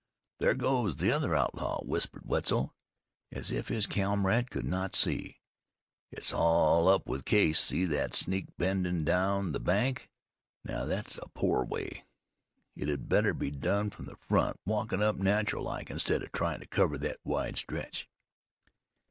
"Thar goes the other outlaw," whispered Wetzel, as if his comrade could not see. "It's all up with Case. See the sneak bendin' down the bank. Now, thet's a poor way. It'd better be done from the front, walkin' up natural like, instead of tryin' to cover thet wide stretch.